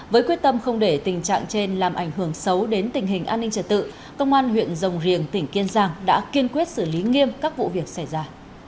với quyết tâm không để tình trạng trên làm ảnh hưởng xấu đến tình hình an ninh trật tự công an huyện rồng riềng tỉnh kiên giang đã kiên quyết xử lý nghiêm các vụ việc xảy ra